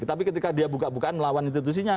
tapi ketika dia buka bukaan melawan institusinya